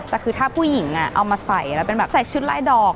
แต่คือถ้าผู้หญิงเอามาใส่แล้วเป็นแบบใส่ชุดลายดอก